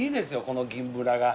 この銀ブラが。